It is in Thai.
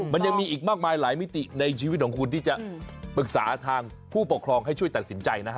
มันยังมีอีกมากมายหลายมิติในชีวิตของคุณที่จะปรึกษาทางผู้ปกครองให้ช่วยตัดสินใจนะฮะ